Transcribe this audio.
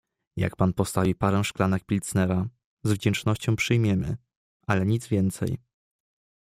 "„Jak pan postawi parę szklanek Pilznera, z wdzięcznością przyjmiemy, ale nic więcej."